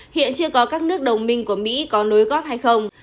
hiện chưa có các nước đồng minh của mỹ có nối gót hay không